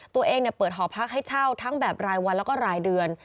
เปิดหอพักให้เช่าทั้งแบบรายวันแล้วก็รายเดือน